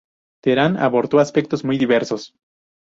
Terán abordó aspectos muy diversos.